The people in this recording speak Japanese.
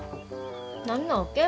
何なわけ？